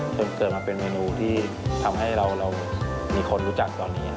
จนเกิดมาเป็นเมนูที่ทำให้เรามีคนรู้จักตอนนี้